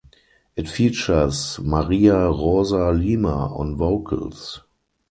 It features Maria Rosa Lima on vocals.